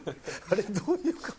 あれどういう顔？